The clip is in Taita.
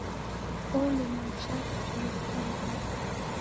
Olemwa ni chaghu cha lusangari.